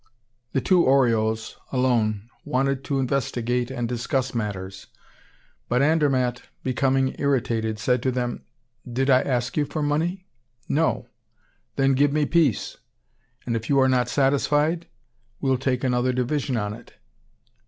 The two Oriols alone wanted to investigate and discuss matters. But Andermatt, becoming irritated, said to them: "Did I ask you for money? No! Then give me peace! And, if you are not satisfied, we'll take another division on it."